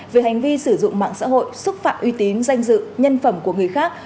về hành vi sử dụng mạng xã hội xúc phạm uy tín danh dự nhân phẩm của người khác